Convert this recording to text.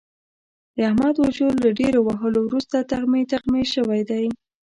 د احمد وجود له ډېرو وهلو ورسته تغمې تغمې شوی دی.